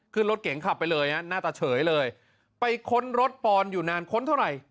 ขึ้นรถเก๋งขับไปเลยฮะหน้าตาเฉยเลยไปค้นรถปอนอยู่นานค้นเท่าไหร่